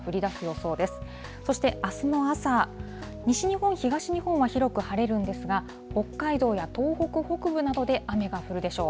そしてあすの朝、西日本、東日本は広く晴れるんですが、北海道や東北北部などで雨が降るでしょう。